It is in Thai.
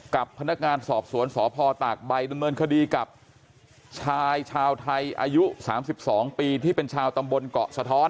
กับพนักงานสอบสวนสอภอฯตากใบดังมือนคดีกับชายชาวไทยอายุสามสิบสองปีที่เป็นชาวตำบลเกาะสะท้อน